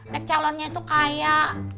nek calonnya itu kaya